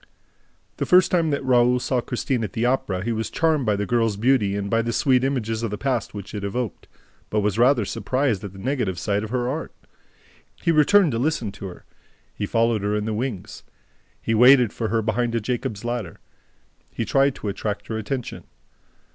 The first time that Raoul saw Christine at the Opera, he was charmed by the girl's beauty and by the sweet images of the past which it evoked, but was rather surprised at the negative side of her art. He returned to listen to her. He followed her in the wings. He waited for her behind a Jacob's ladder. He tried to attract her attention.